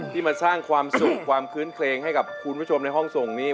ที่มาสร้างความสุขความคื้นเคลงให้กับคุณผู้ชมในห้องส่งนี้